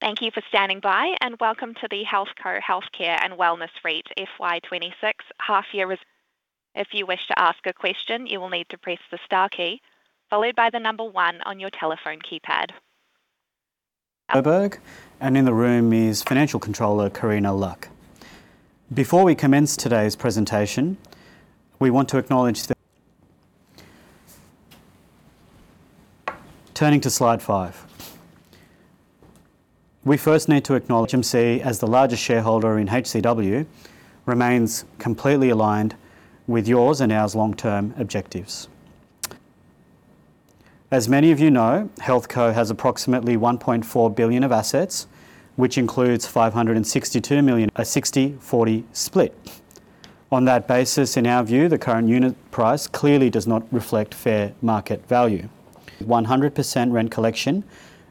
Thank you for standing by, and welcome to the HealthCo Healthcare and Wellness REIT FY 26 half year... If you wish to ask a question, you will need to press the star key, followed by the number one on your telephone keypad. Soberg, and in the room is Financial Controller, Karina Luck. Before we commence today's presentation, we want to acknowledge the... Turning to slide five. We first need to acknowledge HMC as the largest shareholder in HCW, remains completely aligned with yours and our long-term objectives. As many of you know, HealthCo has approximately 1.4 billion of assets, which includes 562 million- a 60/40 split. On that basis, in our view, the current unit price clearly does not reflect fair market value. 100% rent collection,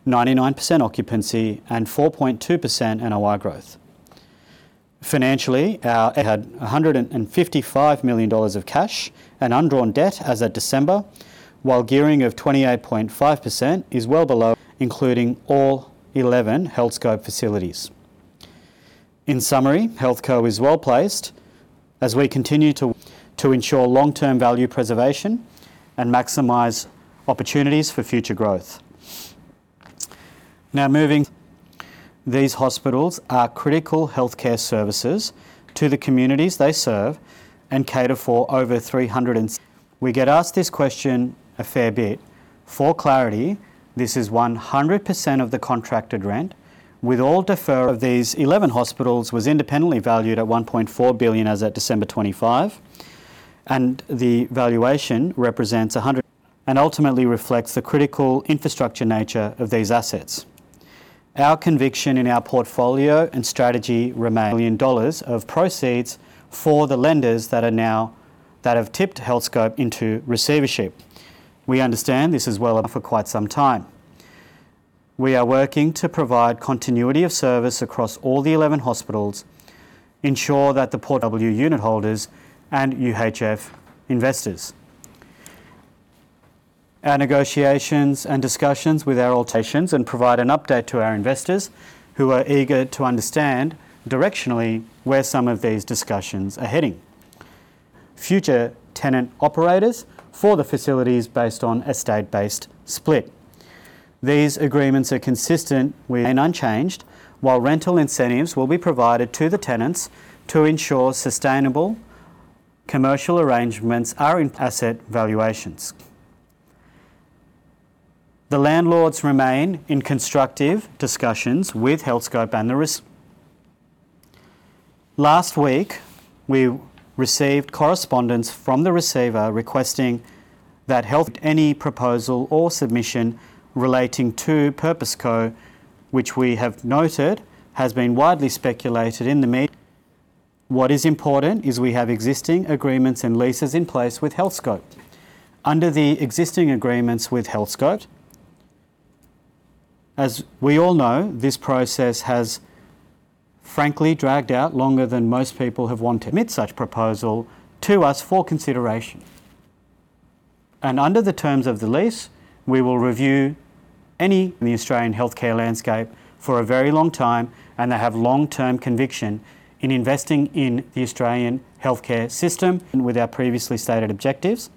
99% occupancy, and 4.2% NOI growth. Financially, our- had 155 million dollars of cash and undrawn debt as of December, while gearing of 28.5% is well below- including all 11 Healthscope facilities. In summary, HealthCo is well-placed as we continue to ensure long-term value preservation and maximize opportunities for future growth. Now moving. These hospitals are critical healthcare services to the communities they serve and cater for over 300. We get asked this question a fair bit. For clarity, this is 100% of the contracted rent, with all. Of these 11 hospitals, was independently valued at 1.4 billion as at December 2025, and the valuation represents a 100- and ultimately reflects the critical infrastructure nature of these assets. Our conviction in our portfolio and strategy remain- 100 million dollars of proceeds for the lenders that now have tipped Healthscope into receivership. We understand this as well for quite some time. We are working to provide continuity of service across all the 11 hospitals, ensure that the HCW unit holders and UHF investors. Our negotiations and discussions with our alterations, and provide an update to our investors, who are eager to understand directionally where some of these discussions are heading. Future tenant operators for the facilities based on asset-based split. These agreements are consistent with and unchanged, while rental incentives will be provided to the tenants to ensure sustainable commercial arrangements are in asset valuations. The landlords remain in constructive discussions with Healthscope and the receivers. Last week, we received correspondence from the receiver requesting that any proposal or submission relating to Purpose Co, which we have noted has been widely speculated in the media. What is important is we have existing agreements and leases in place with Healthscope. Under the existing agreements with Healthscope. As we all know, this process has frankly dragged out longer than most people have wanted submit such proposal to us for consideration. Under the terms of the lease, we will review. The Australian healthcare landscape for a very long time, and they have long-term conviction in investing in the Australian healthcare system, and with our previously stated objectives.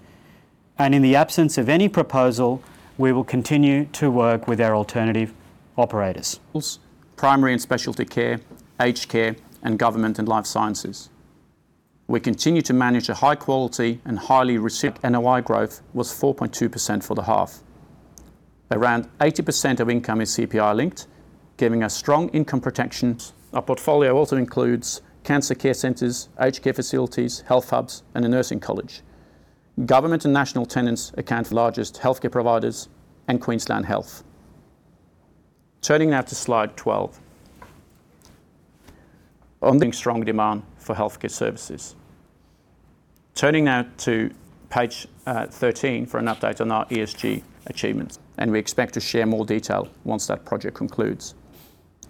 In the absence of any proposal, we will continue to work with our alternative operators. primary and specialty care, aged care, and government and life sciences. We continue to manage a high quality and highly resilient NOI growth was 4.2% for the half. Around 80% of income is CPI linked, giving us strong income protection. Our portfolio also includes cancer care centers, aged care facilities, health hubs, and a nursing college. Government and national tenants account for largest healthcare providers and Queensland Health. Turning now to slide 12. On the strong demand for healthcare services. Turning now to page 13 for an update on our ESG achievements, and we expect to share more detail once that project concludes.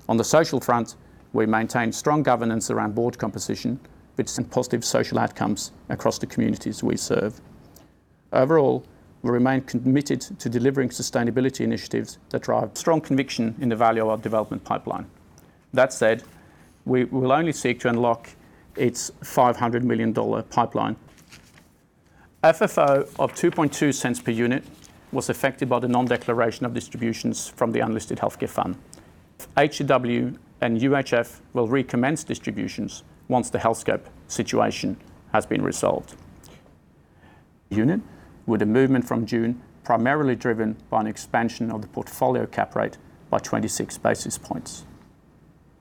On the social front, we maintain strong governance around board composition, with some positive social outcomes across the communities we serve. Overall, we remain committed to delivering sustainability initiatives that drive strong conviction in the value of our development pipeline. That said, we will only seek to unlock its 500 million dollar pipeline. FFO of 0.022 per unit was affected by the non-declaration of distributions from the unlisted healthcare fund. HCW and UHF will recommence distributions once the Healthscope situation has been resolved. NTA, with a movement from June, primarily driven by an expansion of the portfolio cap rate by 26 basis points.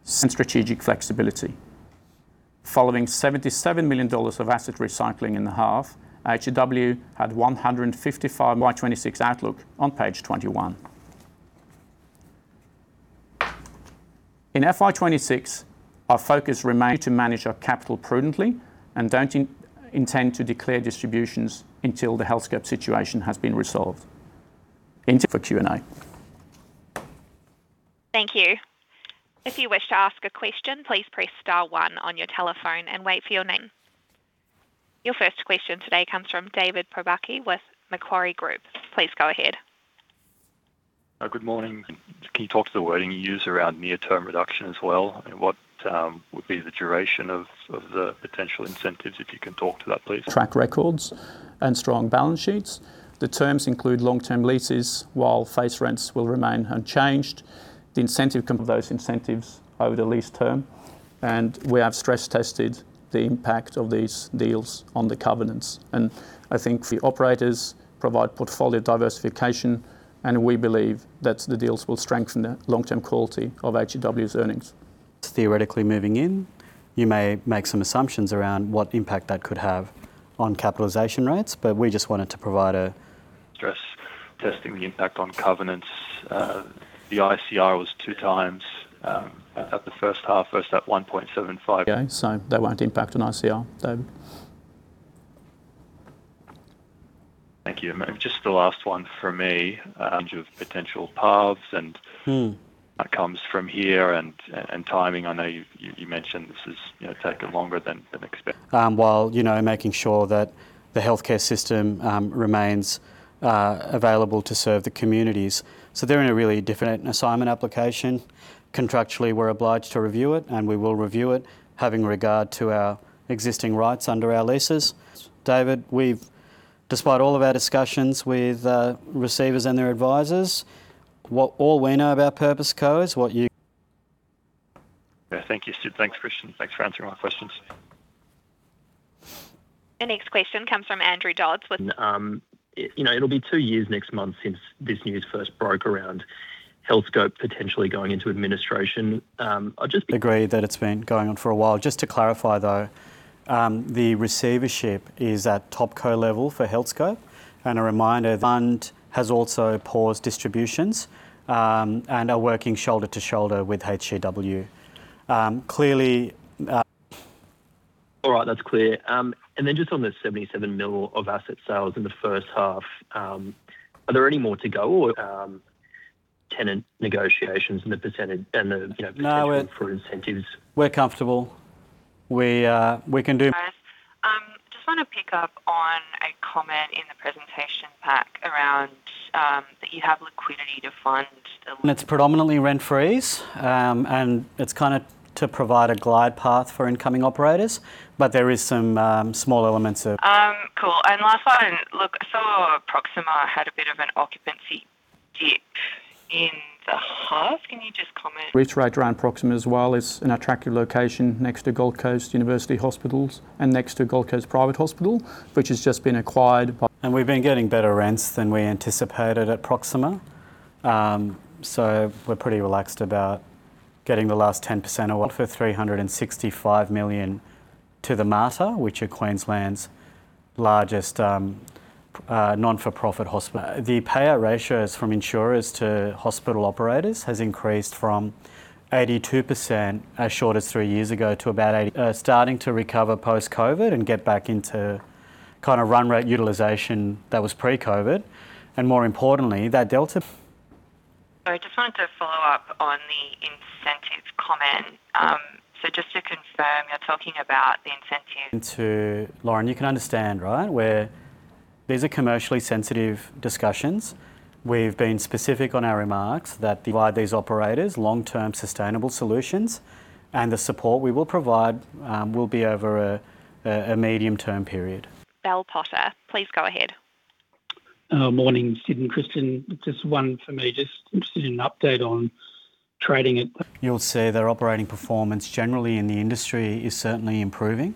Some strategic flexibility. Following 77 million dollars of asset recycling in the half, HCW had 155 FY26 outlook on page 21. In FY26, our focus remain to manage our capital prudently and don't intend to declare distributions until the Healthscope situation has been resolved. Now for Q&A. Thank you. If you wish to ask a question, please press star one on your telephone and wait for your name. Your first question today comes from David Pobucky with Macquarie Group. Please go ahead. Good morning. Can you talk to the wording you use around near-term reduction as well? What would be the duration of the potential incentives, if you can talk to that, please? Track records and strong balance sheets. The terms include long-term leases, while face rents will remain unchanged. The incentives of those incentives over the lease term, and we have stress-tested the impact of these deals on the covenants. I think the operators provide portfolio diversification, and we believe that the deals will strengthen the long-term quality of HCW's earnings. Theoretically moving in, you may make some assumptions around what impact that could have on capitalization rates, but we just wanted to provide a- Stress-testing the impact on covenants. The ICR was 2 times at the first half versus at 1.75. Okay, so they won't impact on ICR, so. Thank you. Just the last one from me, range of potential paths, and-That comes from here, and timing, I know you mentioned this has, you know, taken longer than expected. While, you know, making sure that the healthcare system remains available to serve the communities. So they're in a really different assignment application. Contractually, we're obliged to review it, and we will review it, having regard to our existing rights under our leases. David, we've, despite all of our discussions with receivers and their advisors, all we know about Purpose Co. is what you- Yeah. Thank you, Sid. Thanks, Christian. Thanks for answering my questions. The next question comes from Andrew Dodds with- You know, it'll be two years next month since this news first broke around Healthscope potentially going into administration. I'd just be- Agree that it's been going on for a while. Just to clarify, though, the receivership is at TopCo level for Healthscope, and a reminder, Fund has also paused distributions, and are working shoulder to shoulder with HCW. Clearly, All right, that's clear. And then just on the 77 million of asset sales in the first half, are there any more to go or tenant negotiations and the percentage and the, you know, potential for incentives? No, we're comfortable. We, we can do- Chris, just want to pick up on a comment in the presentation pack around that you have liquidity to fund a- It's predominantly rent freeze, and it's kind of to provide a glide path for incoming operators. But there is some small elements of- Cool. And last one, look, I saw Proxima had a bit of an occupancy dip in the half. Can you just comment- We try to run Proxima as well. It's an attractive location next to Gold Coast University Hospital and next to Gold Coast Private Hospital, which has just been acquired by- We've been getting better rents than we anticipated at Proxima. So we're pretty relaxed about getting the last 10% or what-For 365 million to The Mater, which are Queensland's largest not-for-profit hospital. The payer ratios from insurers to hospital operators has increased from 82%, as short as three years ago, to about eighty- Starting to recover post-COVID and get back into kind of run rate utilization that was pre-COVID, and more importantly, that delta- I just wanted to follow up on the incentives comment. Just to confirm, you're talking about the incentive- To Lauren, you can understand, right? We're. These are commercially sensitive discussions. We've been specific on our remarks that provide these operators long-term sustainable solutions, and the support we will provide will be over a medium-term period. Bell Potter, please go ahead. Morning, Sid and Christian. Just one for me. Just interested in an update on trading at- You'll see their operating performance generally in the industry is certainly improving.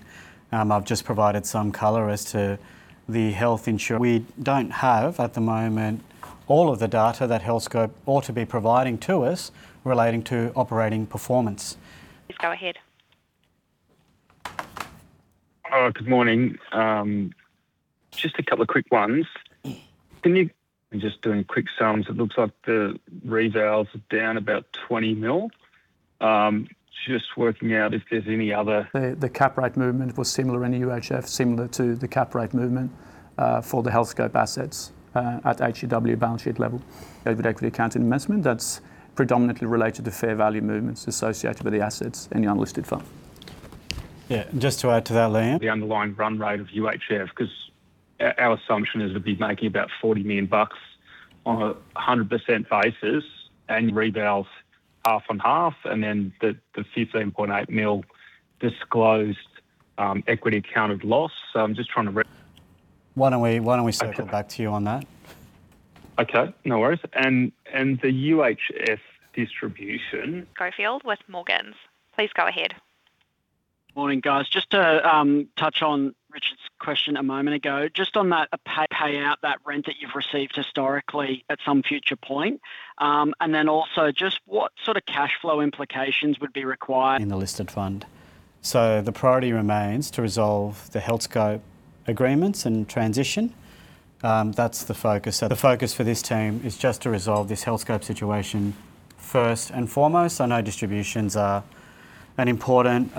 I've just provided some color as to the health insurer. We don't have, at the moment, all of the data that Healthscope ought to be providing to us relating to operating performance. Please go ahead. Good morning. Just a couple of quick ones. Can you- I'm just doing quick sums. It looks like the revenues are down about 20 million. Just working out if there's any other- The cap rate movement was similar in UHF, similar to the cap rate movement for the Healthscope assets at HCW balance sheet level. Over the equity account and investment, that's predominantly related to fair value movements associated with the assets and the unlisted fund. Yeah, just to add to that. The underlying run rate of UHF, 'cause our assumption is it'd be making about 40 million bucks on a 100% basis, and reveals half and half, and then the 15.8 million disclosed equity accounted loss. So I'm just trying to re- Why don't we, why don't we circle back to you on that? Okay, no worries. And the UHF distribution- Schofield with Morgans, please go ahead. Morning, guys. Just to touch on Richard's question a moment ago, just on that pay out that rent that you've received historically at some future point. And then also, just what sort of cash flow implications would be required- In the listed fund. So the priority remains to resolve the Healthscope agreements and transition. That's the focus. So the focus for this team is just to resolve this Healthscope situation first and foremost. I know distributions are an important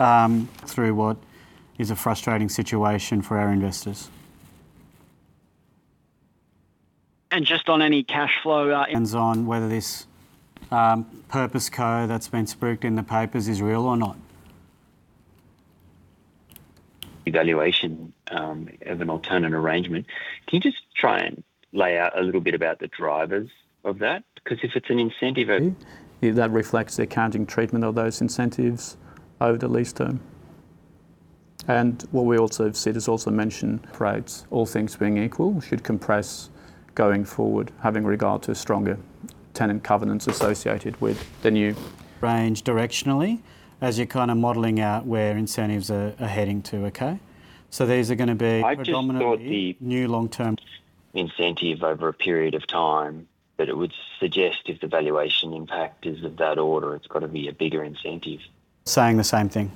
through what is a frustrating situation for our investors. And just on any cash flow, hands on whether this Purpose Co that's been speculated in the papers is real or not. Evaluation of an alternate arrangement. Can you just try and lay out a little bit about the drivers of that? 'Cause if it's an incentive of, is that reflects the accounting treatment of those incentives over the lease term. And what we also see is also mentioned, rates, all things being equal, should compress going forward, having regard to stronger tenant covenants associated with the new range directionally, as you're kind of modeling out where incentives are heading to, okay? So these are gonna be predominantly- I just thought the- -new long-term- incentive over a period of time, but it would suggest if the valuation impact is of that order, it's gotta be a bigger incentive. Saying the same thing.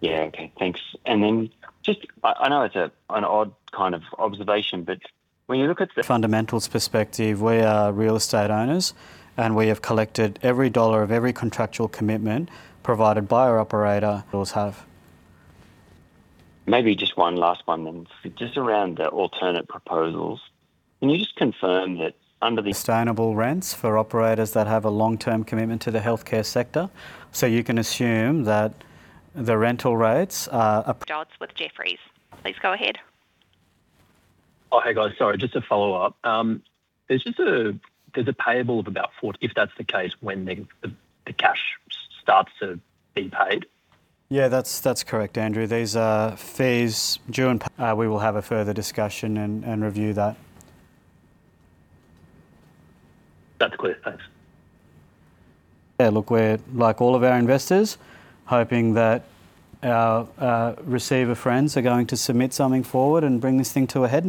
Yeah, okay, thanks. And then just... I know it's an odd kind of observation, but when you look at the- Fundamentals perspective, we are real estate owners, and we have collected every dollar of every contractual commitment provided by our operator. Always have. Maybe just one last one then. Just around the alternate proposals, can you just confirm that under the- sustainable rents for operators that have a long-term commitment to the healthcare sector, so you can assume that the rental rates are- [inaudible] with Jefferies, please go ahead. Oh, hey, guys. Sorry, just to follow up. There's just a payable of about 40. If that's the case, when the cash starts to be paid? Yeah, that's, that's correct, Andrew. These are fees due and we will have a further discussion and, and review that. That's clear. Thanks. Yeah, look, we're, like all of our investors, hoping that our, our receiver friends are going to submit something forward and bring this thing to a head.